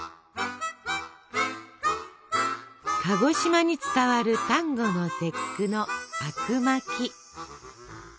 鹿児島に伝わる端午の節句のあくまき。